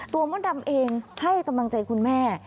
มดดำเองให้กำลังใจคุณแม่